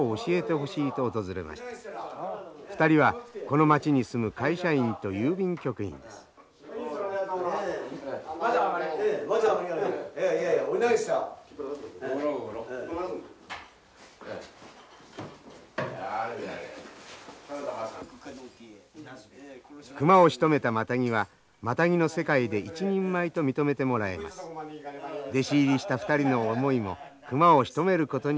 弟子入りした２人の思いも熊をしとめることにありました。